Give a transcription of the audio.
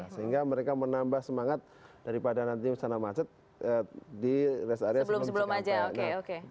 sehingga mereka menambah semangat daripada nanti kesana macet di rest area sebelum jakarta